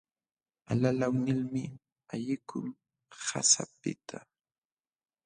Alalaw nilmi ayqikun qasapiqta.